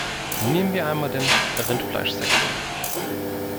Nehmen wir einmal den Rindfleischsektor.